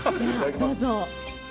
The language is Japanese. どうぞ。